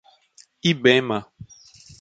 Ibema